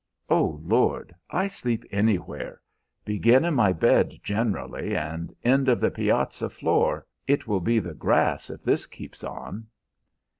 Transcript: "O Lord! I sleep anywhere; begin in my bed generally and end of the piazza floor. It will be the grass if this keeps on."